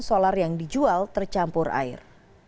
solar yang dijual tercampur air